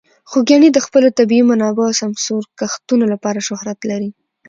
خوږیاڼي د خپلو طبیعي منابعو او سمسور کښتونو لپاره شهرت لري.